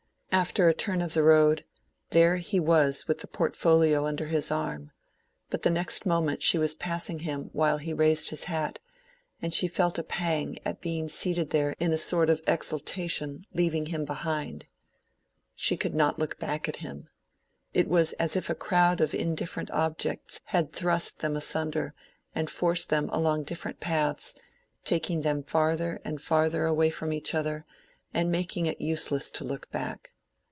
After a turn of the road, there he was with the portfolio under his arm; but the next moment she was passing him while he raised his hat, and she felt a pang at being seated there in a sort of exaltation, leaving him behind. She could not look back at him. It was as if a crowd of indifferent objects had thrust them asunder, and forced them along different paths, taking them farther and farther away from each other, and making it useless to look back.